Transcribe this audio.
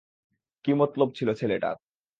কী মতলব ছিল ছেলেটার?